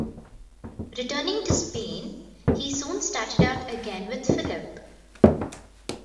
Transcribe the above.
Returning to Spain, he soon started out again with Philip.